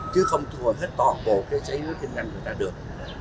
chứ không thu hồi hết toàn bộ cái giấy hướng kinh doanh của ta được